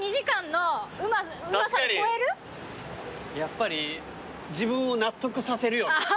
やっぱり自分を納得させる。